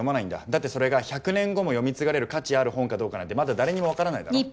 だってそれが１００年後も読み継がれる価値ある本かどうかなんてまだ誰にも分からないだろ？